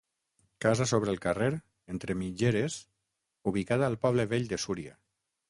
Casa sobre el carrer, entre mitgeres ubicada al Poble Vell de Súria.